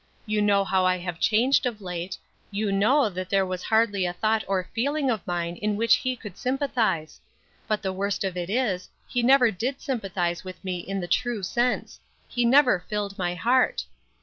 You know how I have changed of late; you know there was hardly a thought or feeling of mine in which he could sympathize; but the worst of it is, he never did sympathize with me in the true sense; he never filled my heart.